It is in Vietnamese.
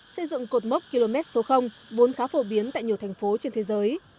xây dựng cột mốc km số vốn khá phổ biến tại nhiều thành phố trên thế giới